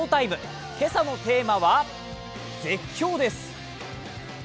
今朝のテーマは「絶叫」です。